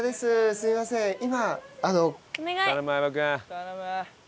すいません今。